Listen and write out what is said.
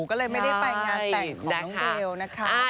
ก็เลยไม่ได้ไปงานแต่งของน้องเบลนะคะ